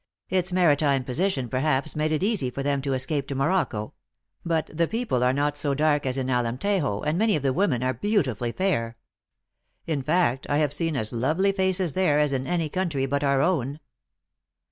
Its maritime position perhaps made it easy for them to escape to Morocco. But the people are not so dark as in Alemtejo, and many of the women are beautifully fair. In fact, I have seen as lovely faces there as in any country but our own."